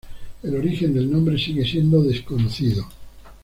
El origen del nombre sigue siendo desconocido.